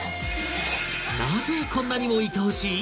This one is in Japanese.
なぜこんなにもいとおしい？